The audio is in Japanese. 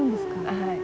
はい。